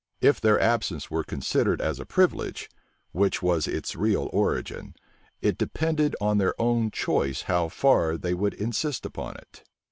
If their absence were considered as a privilege, which was its real origin, it depended on their own choice how far they would insist upon it.